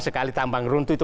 sekali tambang runtuh itu